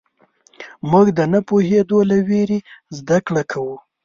موږ د نه پوهېدو له وېرې زدهکړه کوو.